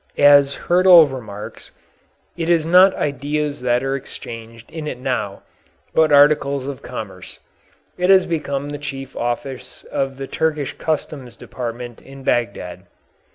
As Hyrtl remarks, it is not ideas that are exchanged in it now, but articles of commerce. It has become the chief office of the Turkish customs department in Bagdad.